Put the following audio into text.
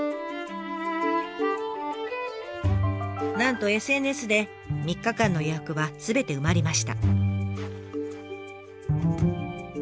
なんとＳＮＳで３日間の予約はすべて埋まりました。